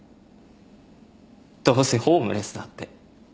どうせホームレスだって。